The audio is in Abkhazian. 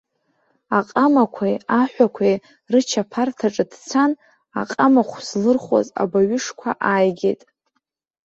Аҟамақәеи аҳәақәеи рычаԥарҭаҿ дцан, аҟамахә злырхуаз абаҩышқәа ааигеит.